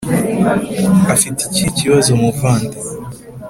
afite ikihe kibazo muvandi